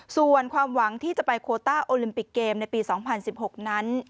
ส่วนความหวังที่จะไปโคต้าโอลิมปิกเกมในปี๒๐๑๖นั้น